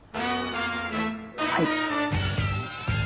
はい。